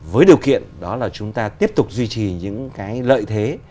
với điều kiện đó là chúng ta tiếp tục duy trì những cái lợi thế